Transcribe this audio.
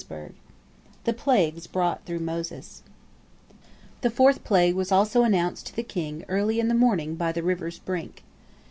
" THE PLAGUES BROUGHT THROUGH MOSES The fourth plague was also announced to the king early in the morning by the river's brink.